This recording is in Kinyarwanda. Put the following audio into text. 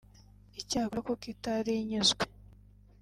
icyakora kuko itari inyuzwe